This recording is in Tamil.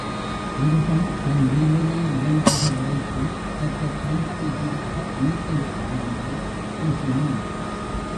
முருகன் தன் வேலினை இரண்டாக உடைத்து அவற்றைக் கண்கள் இரண்டாக அமைத்து விட்டான் என்று பேசினான்.